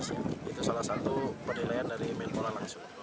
itu salah satu penelein dari mentora langsung